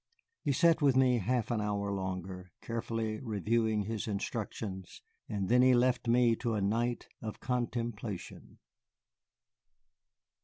He sat with me half an hour longer, carefully reviewing his instructions, and then he left me to a night of contemplation.